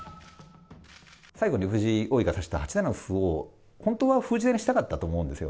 最後に藤井王位が指した８七歩を、本当は封じ手にしたかったと思うんですよ。